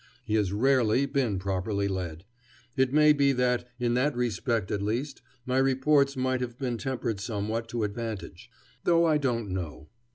He has rarely been properly led. It may be that, in that respect at least, my reports might have been tempered somewhat to advantage. Though I don't know.